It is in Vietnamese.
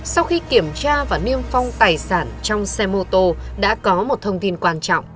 sau khi kiểm tra và niêm phong tài sản trong xe mô tô đã có một thông tin quan trọng